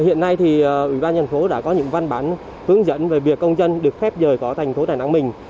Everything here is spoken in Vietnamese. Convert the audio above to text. hiện nay thì ủy ban nhân phố đã có những văn bản hướng dẫn về việc công dân được phép rời khỏi thành phố đà nẵng mình